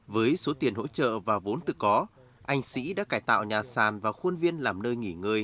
với số tiền hỗ trợ và vốn tự có anh sĩ đã cải tạo nhà sàn và khuôn viên làm nơi nghỉ ngơi